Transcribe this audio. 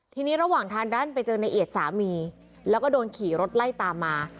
ทีนี้ระหว่างทางด้านไปเจอในเอียดสามีแล้วก็โดนขี่รถไล่ตามมา